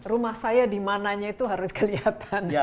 rumah saya dimananya itu harus kelihatan